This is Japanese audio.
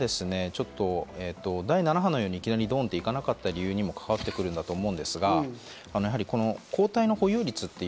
これはちょっと第７波のように、いきなりドンっと行かなかった理由にも関わってくると思うんですが、やはりこの抗体の保有率という